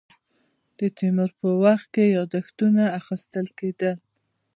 د تیمور په وخت کې یاداښتونه اخیستل کېدل.